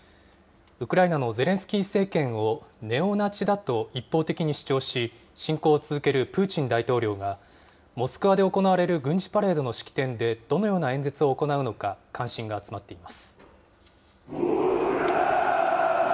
ウクライナのゼレンスキー政権をネオナチだと一方的に主張し、侵攻を続けるプーチン大統領が、モスクワで行われる軍事パレードの式典でどのような演説を行うのか、関心が集まっています。